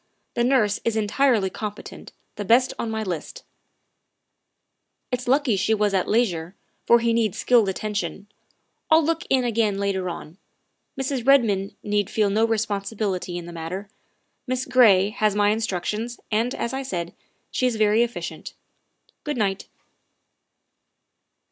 The nurse is entirely competent, the best on my list; it's lucky she was at leisure, for he needs skilled attention. I'll look in again later on. Mrs. Red THE SECRETARY OF STATE 267 mond need feel no responsibility in the matter; Miss Gray has my instructions, and, as I said, she is very efficient. Good night.